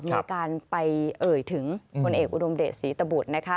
มีการไปเอ่ยถึงพลเอกอุดมเดชศรีตบุตรนะคะ